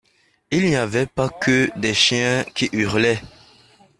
Il n’y avait pas que des chiens qui hurlaient.